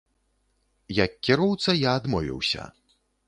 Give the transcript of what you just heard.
Як кіроўца, я адмовіўся.